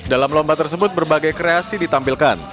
dalam lomba tersebut berbagai kreasi ditampilkan